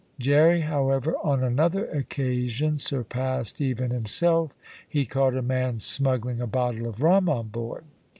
Jerry, however, on another occasion, surpassed even himself, he caught a man smuggling a bottle of rum on board.